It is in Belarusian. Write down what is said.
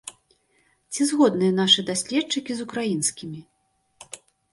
Ці згодныя нашы даследчыкі з украінскімі?